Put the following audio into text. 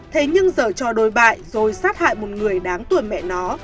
thế nhưng giờ cho đối bại rồi sát hại một người đáng tuổi mẹ nó